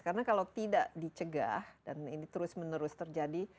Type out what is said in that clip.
karena kalau tidak dicegah dan ini terus menerus terjadi